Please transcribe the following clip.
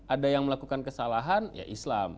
ada yang melakukan kesalahan ya islam